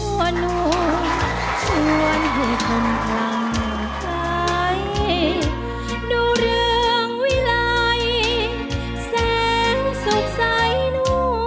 ๕๕๕คที่ฟื้นเรือในของกู